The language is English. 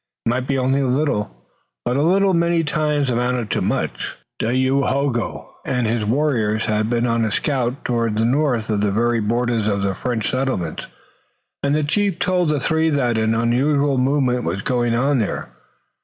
It might be only a little, but a little many times amounted to much. Dayohogo and his warriors had been on a scout toward the north to the very borders of the French settlements, and the chief told the three that an unusual movement was going on there.